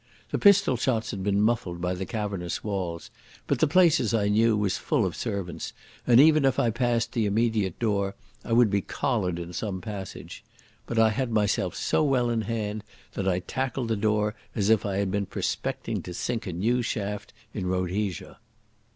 The pistol shots had been muffled by the cavernous walls, but the place, as I knew, was full of servants and, even if I passed the immediate door, I would be collared in some passage. But I had myself so well in hand that I tackled the door as if I had been prospecting to sink a new shaft in Rhodesia.